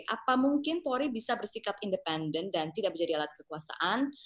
apa mungkin polri bisa bersikap independen dan tidak menjadi alat kekuasaan